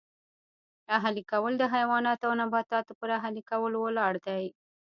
اهلي کول د حیواناتو او نباتاتو پر اهلي کولو ولاړ دی